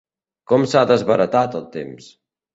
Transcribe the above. Com s'ha desbaratat el temps!